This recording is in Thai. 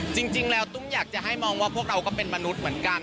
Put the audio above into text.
จริงแล้วตุ้มอยากจะให้มองว่าพวกเราก็เป็นมนุษย์เหมือนกัน